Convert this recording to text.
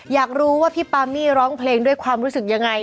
อยากรู้ว่าพี่ปามี่ร้องเพลงด้วยความรู้สึกยังไง